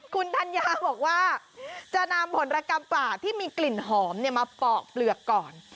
คุณธัญญาบอกว่าจะนำผลรกรรมปลาที่มีกลิ่นหอมมาปอกเปลือกก่อน